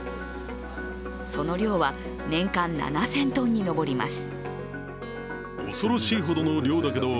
その量は年間７０００ｔに上ります。